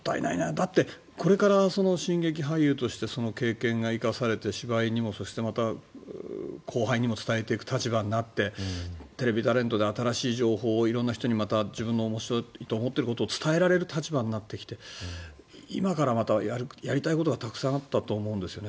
だって、これから新劇俳優としてその経験が生かされて芝居にも、そしてまた後輩にも伝えていく立場にもなってテレビタレントで新しい情報を色んな人にまた自分の面白いと思っていることを伝えられる立場になってきて今からまたやりたいことがたくさんあったと思うんですよね。